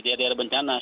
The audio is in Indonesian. di daerah daerah bencana